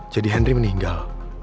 jadi henry meninggal